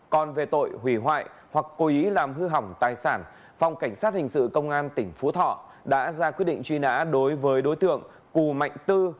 còn về tội hủy hoại hoặc cố ý làm hư hỏng tài sản phòng cảnh sát hình sự công an tỉnh phú thọ đã ra quyết định truy nã đối với đối tượng cù mạnh tư